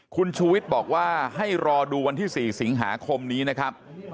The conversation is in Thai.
คุณชูวิทย์บอกว่าให้รอดูวันที่๔สิงหาคมนี้นะครับ